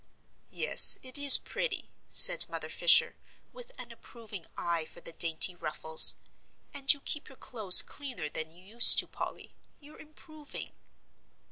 "Yes, it is pretty," said Mother Fisher, with an approving eye for the dainty ruffles, "and you keep your clothes cleaner than you used to, Polly; you're improving."